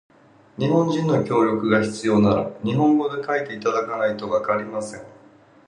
日本人の協力が必要なら、日本語で書いていただかないとわかりません。